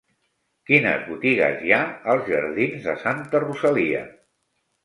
Quines botigues hi ha als jardins de Santa Rosalia?